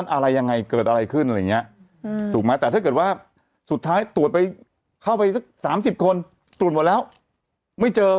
ละละหวังให้มากให้สุดเท่าแต่ว่า